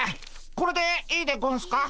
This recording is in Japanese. これでいいでゴンスか？